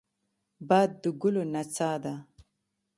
باد د ګلو نڅا ده